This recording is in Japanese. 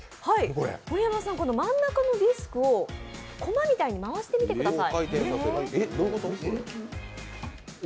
盛山さん、真ん中のディスクをこまみたいに回してみてください。